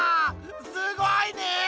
すごいね！